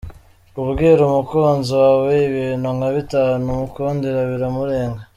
Kubwira umukunzi wawe ibintu nka bitanu “” umukundira biramurenga .